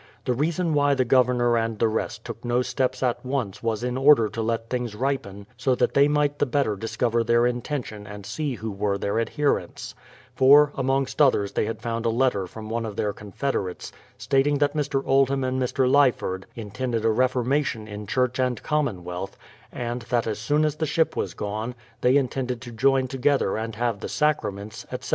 The reason why the Governor and the rest took no steps at once was in order to let things ripen so that they might the better discover their intention and see who were their adlierents ; for, amongst others they had found a letter from one of their confederates, stating that Mr. Old ham and Mr. Lyford intended a reformation in church and commonwealth, and that as soon as the ship was gone, they intended to join together and have the sacraments, etc.